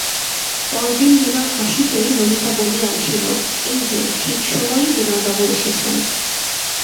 পরদিন বিনয় আসিতেই ললিতা বলিয়া উঠিল, এই-যে ঠিক সময়েই বিনয়বাবু এসেছেন।